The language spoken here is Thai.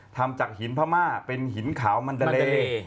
ทำจากหินพม่าเป็นหินขาวมันดาเล